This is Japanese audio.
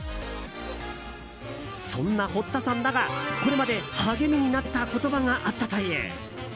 そんな堀田さんだが、これまで励みになった言葉があったという。